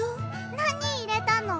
なにいれたの？